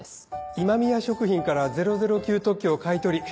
今宮食品から００９特許を買い取り